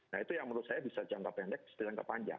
nah itu yang menurut saya bisa jangka pendek jangka panjang